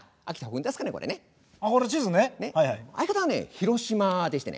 広島でしてね。